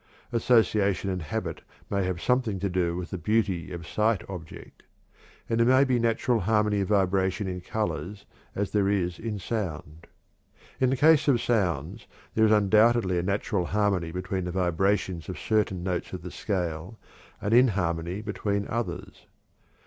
Association and habit may have something to do with the beauty of sight object, and there may be natural harmony of vibration in colors as there is in sound. In the case of sounds there is undoubtedly a natural harmony between the vibrations of certain notes of the scale and inharmony between others.